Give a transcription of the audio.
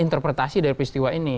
interpretasi dari peristiwa ini